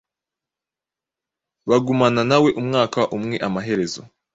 Bagumana na we umwaka umweAmaherezo,